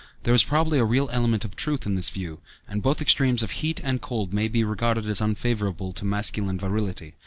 There is probably a real element of truth in this view, and both extremes of heat and cold may be regarded as unfavorable to masculine virility.